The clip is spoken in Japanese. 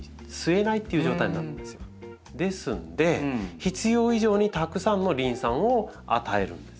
ですので必要以上にたくさんのリン酸を与えるんです。